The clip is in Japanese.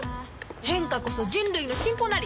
変化こそ人類のシンポなり！